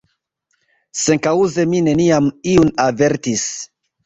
Senkaŭze mi neniam iun avertis.